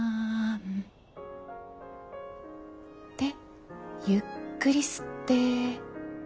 でゆっくり吸って。